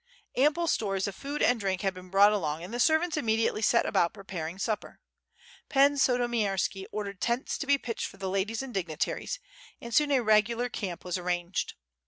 Ample stores of food and drink had been brought along and the servants immediately set about preparing supper. Pan Sandomierski ordered tents to be pitched for the ladies and dignitaries, and soon a regular camp was arranged.